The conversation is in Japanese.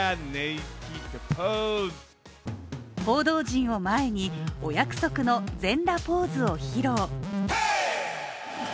報道陣を前に、お約束の全裸ポーズを披露。